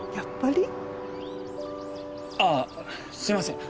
あっすいません